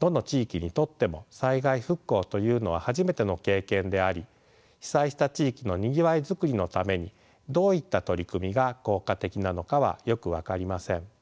どの地域にとっても災害復興というのは初めての経験であり被災した地域のにぎわいづくりのためにどういった取り組みが効果的なのかはよく分かりません。